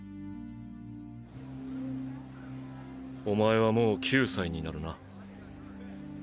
お前はもう９歳になるな。